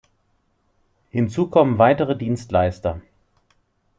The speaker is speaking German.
Hinzu kommen weitere Dienstleister.